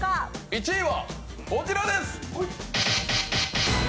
１位はこちらです。